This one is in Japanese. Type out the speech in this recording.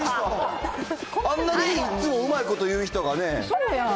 あんなにいっつもうまいこと言う人がね。